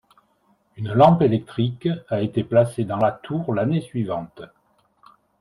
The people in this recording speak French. Une lampe électrique a été placée dans la tour l'année suivante.